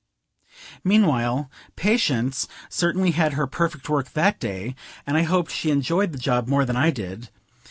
Meanwhile, Patience certainly had her perfect work that day, and I hope she enjoyed the job more than I did.